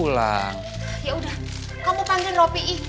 ya udah kamu panggilin lopi i